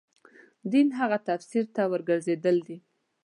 دین هغه تفسیر ته ورګرځېدل دي.